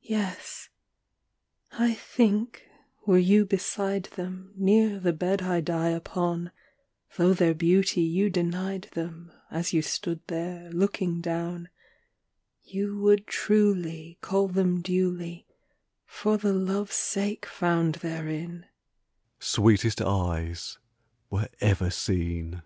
IV. Yes. I think, were you beside them, Near the bed I die upon, Though their beauty you denied them, As you stood there, looking down, You would truly Call them duly, For the love's sake found therein, "Sweetest eyes were ever seen."